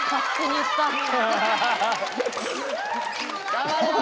頑張るよ！